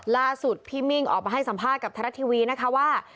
ล่าสุดพี่มิ่งออกมาให้สัมภาษณ์กับไทยรัฐทีวีนะคะว่า